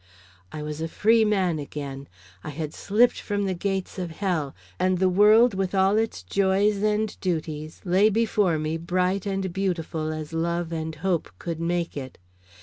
I was a free man again. I had slipped from the gates of hell, and the world with all its joys and duties lay before me bright and beautiful as love and hope could make it.